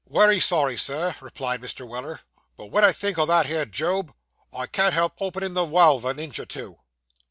'Wery sorry, Sir,' replied Mr. Weller; 'but when I think o' that 'ere Job, I can't help opening the walve a inch or two.